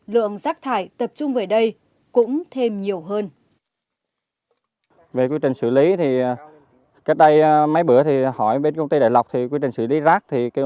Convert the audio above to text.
lượng bãi rác liên sơn diễn ra từ lâu